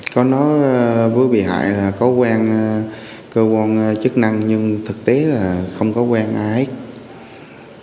có nói với bị hại là có quen cơ quan chức năng nhưng thực tế là không có quen ai hết